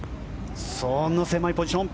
その狭いポジション。